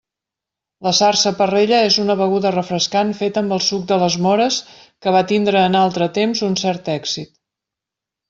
La sarsaparrella és una beguda refrescant feta amb el suc de les móres que va tindre en altre temps un cert èxit.